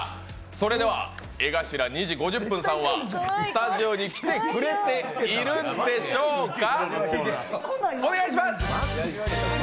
それでは、江頭２：５０さんはスタジオに来てくれているんでしょうか。